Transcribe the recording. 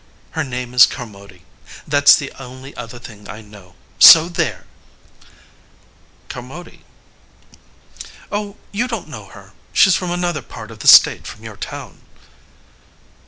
Her name is Carmody, that s the only other thing I know. So there ! MURRAY. Carmody ? MISS HOWARD. Oh, you don t know her. She s from another part of the state from your town.